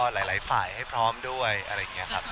หลายฝ่ายให้พร้อมด้วยอะไรอย่างนี้ครับ